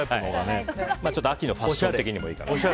秋のファッション的にもいいかなと。